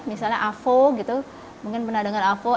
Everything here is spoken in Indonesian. misalnya avo gitu mungkin pernah dengar avo